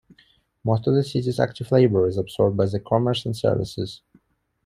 Most of the city's active labor is absorbed by the commerce and services.